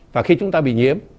và khi chúng ta bị nhiễm